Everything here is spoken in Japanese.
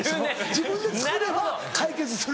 自分で作れば解決する。